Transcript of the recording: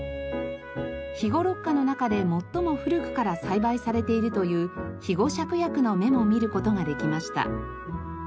肥後六花の中で最も古くから栽培されているという肥後芍薬の芽も見る事ができました。